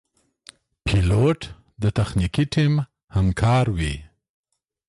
پیلوټ د تخنیکي ټیم همکار وي.